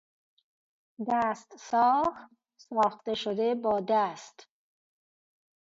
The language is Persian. دست ساخت، ساخته شده با دست